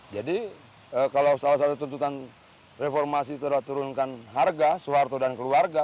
jadi kalau salah satu tuntutan reformasi itu adalah turunkan harga suharto dan keluarga